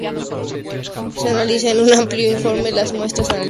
se analiza en un amplio informe las muestras analíticas de las ocho provincias